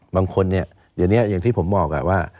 บางคนเนี้ยอย่างที่ผมบอกอาว่า